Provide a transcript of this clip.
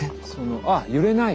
あっ揺れない！